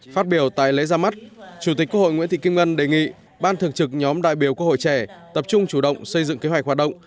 phát biểu tại lễ ra mắt chủ tịch quốc hội nguyễn thị kim ngân đề nghị ban thường trực nhóm đại biểu quốc hội trẻ tập trung chủ động xây dựng kế hoạch hoạt động